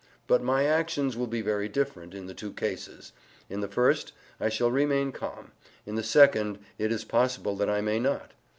But my actions will be very different in the two cases: in the first, I shall remain calm; in the second, it is possible that I may not.